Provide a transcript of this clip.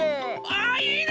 あいいな！